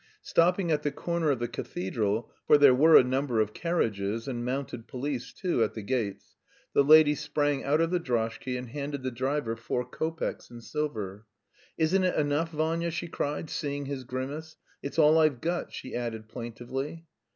Stopping at the corner of the cathedral for there were a number of carriages, and mounted police too, at the gates the lady sprang out of the droshky and handed the driver four kopecks in silver. "Isn't it enough, Vanya?" she cried, seeing his grimace. "It's all I've got," she added plaintively.